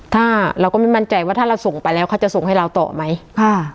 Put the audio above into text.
ถ้าเราก็ไม่มั่นใจว่าถ้าเราส่งไปแล้วเขาจะส่งให้เราต่อไหมค่ะ